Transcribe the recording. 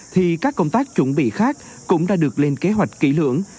thì các công tác chuẩn bị khác cũng đã được lên kế hoạch kỹ lưỡng